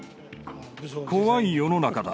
怖い世の中だ。